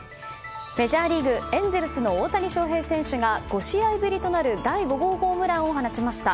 メジャーリーグ、エンゼルスの大谷翔平選手が５試合ぶりとなる第５号ホームランを放ちました。